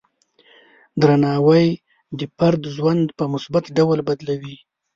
درناوی د فرد ژوند په مثبت ډول بدلوي.